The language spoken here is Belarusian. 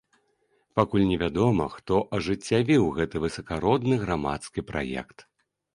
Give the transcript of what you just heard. Пакуль не вядома, хто ажыццявіў гэты высакародны грамадскі праект.